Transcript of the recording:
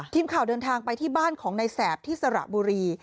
ทีมข่าวเดินทางไปที่บ้านของนายแสบที่สระบุรี